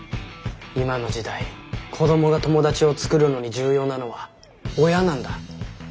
今の時代子どもが友達を作るのに重要なのは親なんだ。